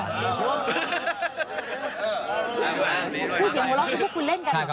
พูดเสียงโลร้คคุณเล่นกันเหรอครับใช่ครับ